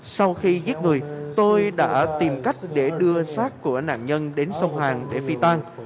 sau khi giết người tôi đã tìm cách để đưa sát của nạn nhân đến sông hàng để phi tan